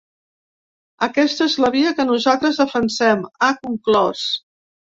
“Aquesta és la via que nosaltres defensem”, ha conclòs.